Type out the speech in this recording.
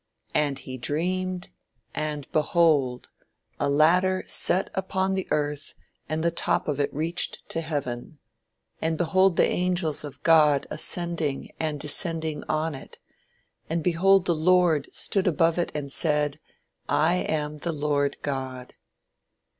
"And he dreamed, and behold, a ladder set upon the earth and the top of it reached to heaven; and behold the angels of God ascending and descending on it; and behold the Lord stood above it and said, I am the Lord God."